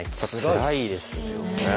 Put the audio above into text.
つらいですよね。